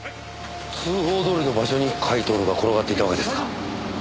通報どおりの場所に甲斐享が転がっていたわけですか？